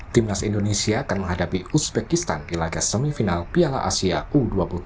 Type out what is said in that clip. timnas indonesia akan menghadapi uzbekistan di laga semifinal piala asia u dua puluh tiga